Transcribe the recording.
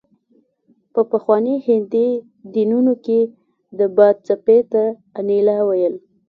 په پخواني هندي دینونو کې د باد څپې ته انیلا ویل